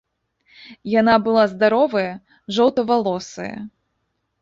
Яна была здаровая, жоўтавалосая.